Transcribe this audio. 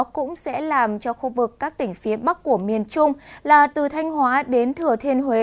cũng sẽ làm cho khu vực các tỉnh phía bắc của miền trung là từ thanh hóa đến thừa thiên huế